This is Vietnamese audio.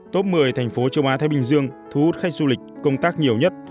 top một mươi thành phố châu á thái bình dương thu hút khách du lịch công tác nhiều nhất